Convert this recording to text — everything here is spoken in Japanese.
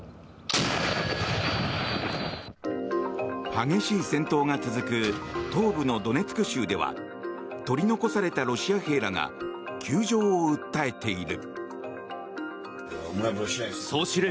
激しい戦闘が続く東部のドネツク州では取り残されたロシア兵らが窮状を訴えている。